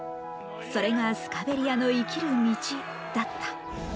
それがスカベリアの生きる道だった。